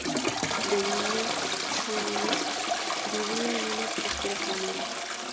De niña, Chun-Li vivía en una próspera familia.